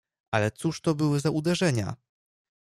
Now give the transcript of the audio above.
"Ale cóż to były za uderzenia!"